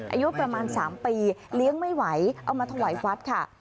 อายุประมาณ๓ปีเลี้ยงไม่ไหวเอามาถวายวัดค่ะ